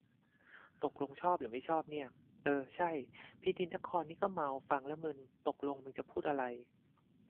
ตกลงชอบหรือไม่ชอบเนี่ย เออ ใช่ พินิจนครนี่ก็เมา ฟังแล้วมึน ตกลงมึงจะพูดอะไร